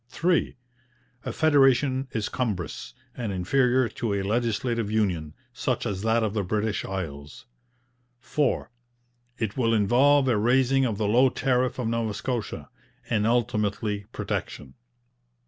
3. A federation is cumbrous, and inferior to a legislative union, such as that of the British Isles. 4. It will involve a raising of the low tariff of Nova Scotia, and ultimately protection.